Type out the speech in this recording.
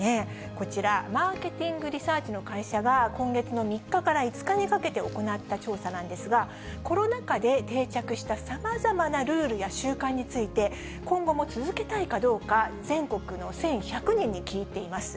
こちら、マーケティングリサーチの会社が、今月の３日から５日にかけて行った調査なんですが、コロナ禍で定着したさまざまなルールや習慣について、今後も続けたいかどうか、全国の１１００人に聞いています。